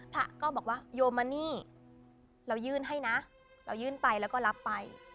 พระก็บอกว่าโยมานี่เรายื่นให้นะเรายื่นไปแล้วก็รับไป